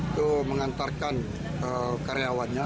itu mengantarkan karyawannya